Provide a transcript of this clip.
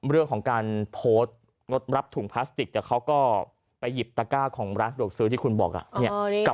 เรื่องของการโพสต์งดรับถุงพลาสติกแต่เขาก็ไปหยิบตะก้าของร้านสะดวกซื้อที่คุณบอก